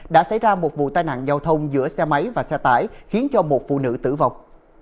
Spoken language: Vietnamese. đã xảy ra một vụ tai nạn giao thông giữa xe máy và xe tải khiến cho một phụ nữ tử vong